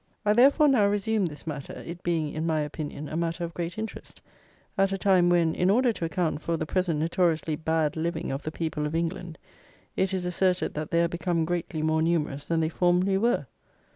I, therefore, now resume this matter, it being, in my opinion, a matter of great interest, at a time, when, in order to account for the present notoriously bad living of the people of England, it is asserted, that they are become greatly more numerous than they formerly were.